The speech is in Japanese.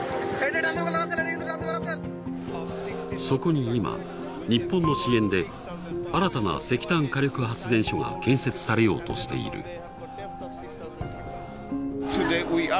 そこに今日本の支援で新たな石炭火力発電所が建設されようとしている。